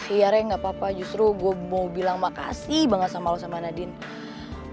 iya rek nggak apa apa justru gue mau bilang makasih banget sama lo sama nadine